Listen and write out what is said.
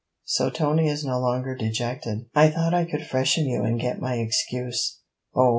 'So Tony is no longer dejected? I thought I could freshen you and get my excuse.' 'Oh!